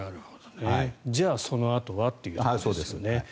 じゃあ、そのあとはっていうことですね。